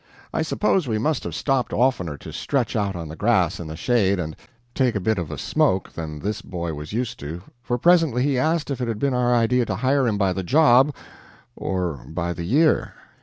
I suppose we must have stopped oftener to stretch out on the grass in the shade and take a bit of a smoke than this boy was used to, for presently he asked if it had been our idea to hire him by the job, or by the year?